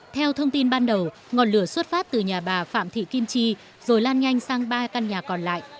theo thông tin ban đầu ngọn lửa xuất phát từ nhà bà phạm thị kim chi rồi lan nhanh sang ba căn nhà còn lại